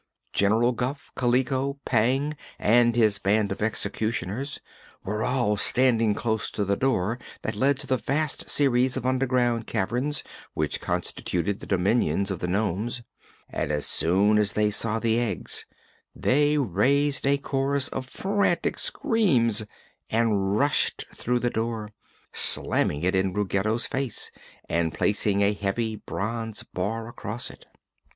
General Guph, Kaliko, Pang and his band of executioners were all standing close to the door that led to the vast series of underground caverns which constituted the dominions of the nomes, and as soon as they saw the eggs they raised a chorus of frantic screams and rushed through the door, slamming it in Ruggedo's face and placing a heavy bronze bar across it.